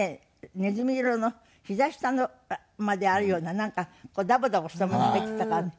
ネズミ色のひざ下まであるようななんかだぼだぼしたものをはいてたからね